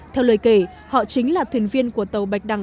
theo lời kể họ chính là thuyền viên của tàu bạch đằng sáu